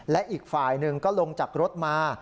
และอีกฝ่ายหนึ่งก็ลงจากรถมา